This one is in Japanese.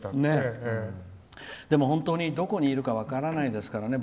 でも本当に、どこにいるか分からないですからね。